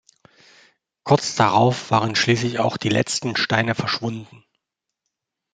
Kurz darauf waren schließlich auch die letzten Steine verschwunden.